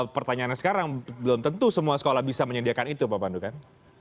pertanyaannya sekarang belum tentu semua sekolah bisa menyediakan itu pak pandu kan